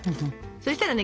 そしたらね